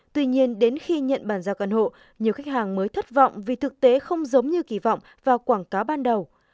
tuy nhiên đến khi nhận bàn giao căn hộ nhiều khách hàng mới thất vọng vì thực tế không giống như kỳ vọng vào quảng cáo ban đầu